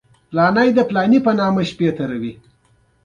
دا داسې یو بیان دی چې زما قلم نه وربرابرېږي.